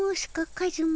カズマ。